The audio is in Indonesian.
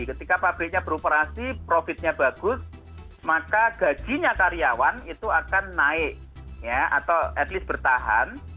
ketika pabriknya beroperasi profitnya bagus maka gajinya karyawan itu akan naik atau at least bertahan